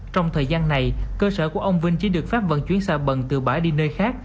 trong thời gian này cơ sở của ông vinh chỉ được phát vận chuyển sạc bẩn từ bãi đi nơi khác